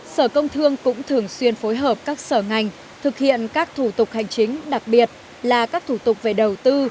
sở công thương cũng thường xuyên phối hợp các sở ngành thực hiện các thủ tục hành chính đặc biệt là các thủ tục về đầu tư